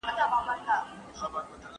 کله چې تدریس جدي وي نو پوهنه پیاوړې کیږي.